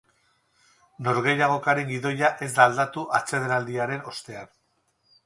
Norgehiagokaren gidoia ez da aldatu atsedenaldiaren ostean.